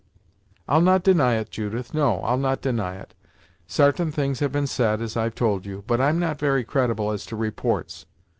"I'll not deny it, Judith; no, I'll not deny it. Sartain things have been said, as I've told you, but I'm not very credible as to reports.